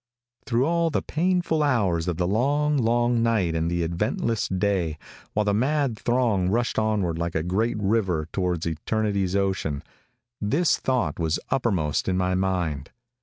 Through all the painful hours of the long, long night and the eventless day, while the mad throng rushed onward like a great river toward eternity's ocean, this thought was uppermost in my mind.